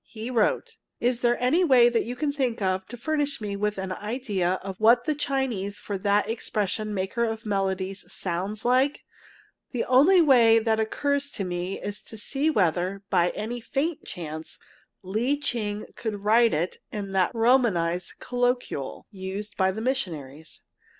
He wrote: Is there any way you can think of to furnish me with an idea of what the Chinese for that expression, "maker of melodies," sounds like? The only way that occurs to me is to see whether, by any faint chance, Lee Ching could write it in that Romanized Colloquial, used by the missionaries.